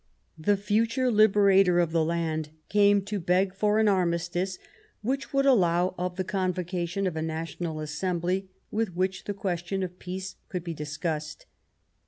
The future liberator of the land came to beg for an armistice which would allow of the convocation of a National Assembly with which the question of peace could be discussed.